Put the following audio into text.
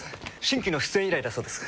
新規の出演依頼だそうです。